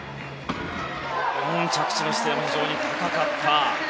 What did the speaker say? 着地の姿勢も非常に高かった。